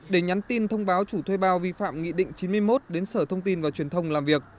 để nhắn tin thông báo chủ thuê bao vi phạm nghị định chín mươi một đến sở thông tin và truyền thông làm việc